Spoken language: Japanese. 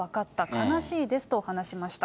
悲しいですと話しました。